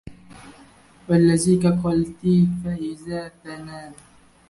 ولذلك قلّت فائدته من قول الشعر وتحاماه الرؤساء وكان سبباً لوفاته.